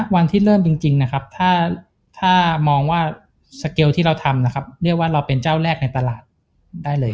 วันที่เริ่มจริงนะครับถ้ามองว่าสเกลที่เราทำนะครับเรียกว่าเราเป็นเจ้าแรกในตลาดได้เลย